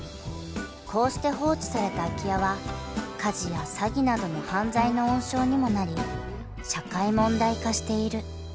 ［こうして放置された空き家は火事や詐欺などの犯罪の温床にもなり社会問題化している］